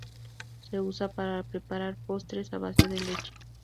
Se usa para preparar postres a base de leche.